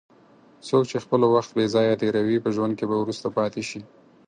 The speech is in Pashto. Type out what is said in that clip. څوک چې خپل وخت بې ځایه تېروي، په ژوند کې به وروسته پاتې شي.